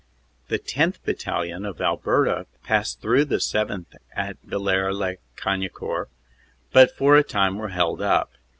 The 10th. Battalion, of Alberta, passed through the 7th. at Villers lez Cagnicourt, but for a time were held up.